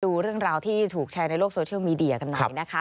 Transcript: ดูเรื่องราวที่ถูกแชร์ในโลกโซเชียลมีเดียกันหน่อยนะคะ